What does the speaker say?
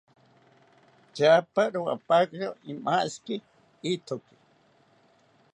Tyapa rowapakiro amashiki ithoki